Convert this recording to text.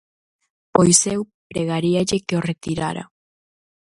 Pois eu pregaríalle que o retirara.